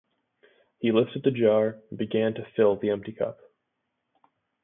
He lifted the jar and began to fill the empty cup.